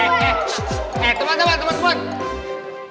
eh eh eh teman teman teman teman